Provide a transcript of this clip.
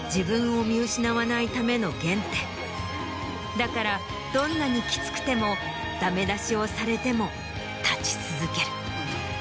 だからどんなにきつくてもダメ出しをされても立ち続ける。